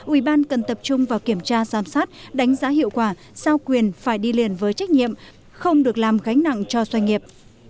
ủy ban cần tập trung vào kiểm tra giám sát đánh giá hiệu quả sao quyền phải đi liền với trách nhiệm không được làm gánh nặng cho doanh nghiệp